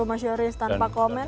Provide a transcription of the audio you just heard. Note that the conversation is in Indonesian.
mas yoris tanpa komen